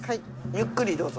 ゆっくりどうぞ。